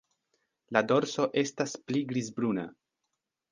La dorso estas pli grizbruna.